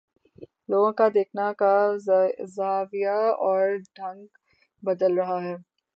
لوگوں کا دیکھنے کا زاویہ اور ڈھنگ بدل رہا ہے۔